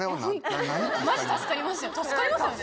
助かりますよね？